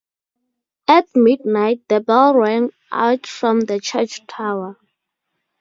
At midnight, the bells rang out from the church tower.